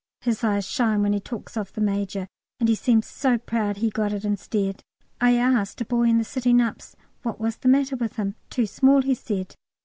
His eyes shine when he talks of "the Major," and he seems so proud he got it instead. I asked a boy in the sitting ups what was the matter with him. "Too small," he said.